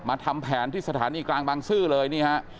ทำแผนที่สถานีกลางบางซื่อเลยนี่ฮะ